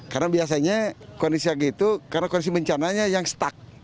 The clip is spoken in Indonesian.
karena biasanya kondisi yang gitu karena kondisi bencananya yang stuck